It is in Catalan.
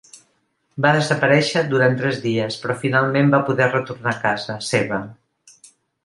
Va desaparèixer durant tres dies però finalment va poder retornar a casa seva.